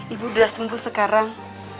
ibu udah sembuh sekarang